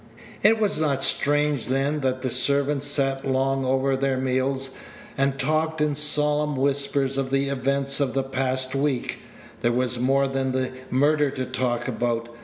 It was not strange, then, that the servants sat long over their meals, and talked in solemn whispers of the events of the past week. There was more than the murder to talk about.